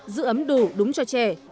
giữ ấm đủ đúng cho trẻ